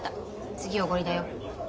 次おごりだよ。